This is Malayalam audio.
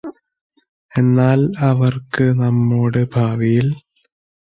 എന്നാല് അവർക്ക് നമ്മോട് ഭാവിയിൽ